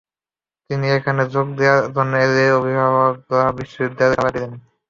তিনি এখানে যোগ দেওয়ার জন্য এলে অভিভাবকেরা বিদ্যালয়ে তালা দিয়ে দেন।